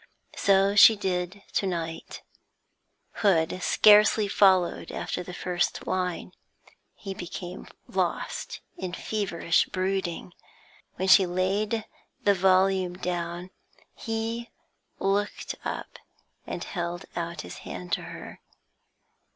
So she did to night. Hood scarcely followed after the first line; he became lost in feverish brooding. When she laid the volume down, he looked up and held out his hand to her.